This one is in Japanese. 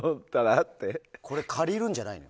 これ、借りるんじゃないの。